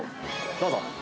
どうぞ。